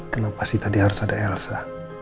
kenapa sih tadi harus ada elsa